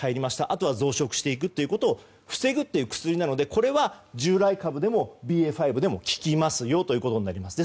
あとは増殖していくということを防ぐという薬なのでこれは、従来株でもＢＡ．５でも効きますよとなります。